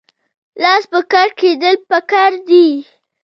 لاس په کار کیدل پکار دي